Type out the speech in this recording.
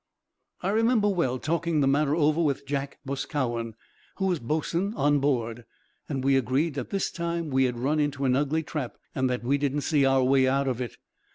"I remember well talking the matter over with Jack Boscowan, who was boatswain on board; and we agreed that this time we had run into an ugly trap, and that we did not see our way out of it.